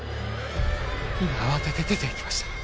今慌てて出ていきました